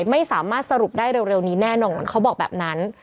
ไม่สามารถสรุปได้เร็วนี้แน่นอนเขาบอกแบบนั้น